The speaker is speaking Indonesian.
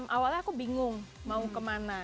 awalnya aku bingung mau ke mana